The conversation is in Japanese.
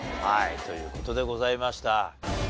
はいという事でございました。